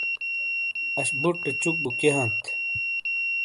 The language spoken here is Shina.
اَش بُٹے چُک بو کِیئے ہانت؟